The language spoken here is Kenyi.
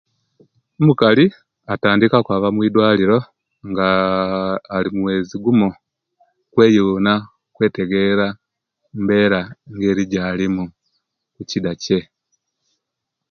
Omukali atandika okwaba mwidwaliro ngaa alimwezi gumu kweyuna okwetegera mbeera ngeri jarimu mukidakye